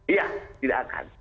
iya tidak akan